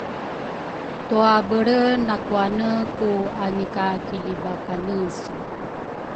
twabelre nakuane ku angikakilibakanesu.